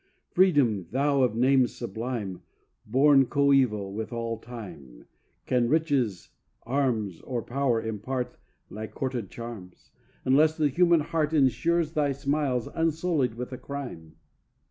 Freedom, thou of name sublime, Born coeval with all time, Can riches, arms, Or power impart Thy courted charms, Unless the human heart Insures thy smiles unsullied with a crime?